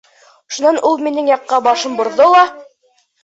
Шунан ул минең яҡҡа башын борҙо ла: